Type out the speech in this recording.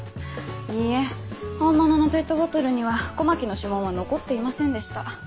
いいえ本物のペットボトルには狛木の指紋は残っていませんでした。